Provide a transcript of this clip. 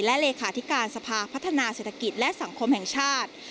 และเลขาธิการสภาพัฒนาเศรษฐกิจและสังคมแห่งชาติ